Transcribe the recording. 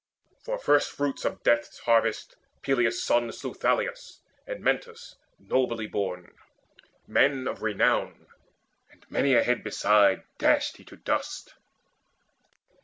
For firstfruits of death's harvest Peleus' son Slew Thalius and Mentes nobly born, Men of renown, and many a head beside Dashed he to dust.